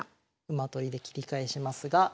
馬取りで切り返しますが。